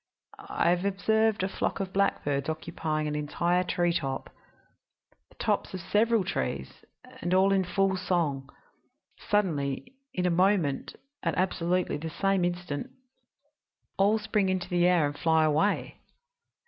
I have observed a flock of blackbirds occupying an entire treetop the tops of several trees and all in full song. Suddenly in a moment at absolutely the same instant all spring into the air and fly away.